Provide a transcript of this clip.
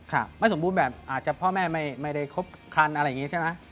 ไม่สมบูรณ์แบบอาจจะพ่อแม่ไม่ได้ครบคันอะไรอย่างนี้ใช่ไหม